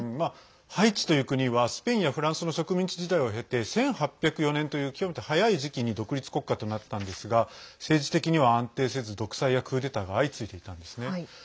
ハイチという国はスペインやフランスの植民地時代を経て１８０４年という極めて早い時期に独立国家となったんですが政治的には安定せず独裁やクーデターが相次いでいたんですね。